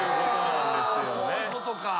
そういうことか。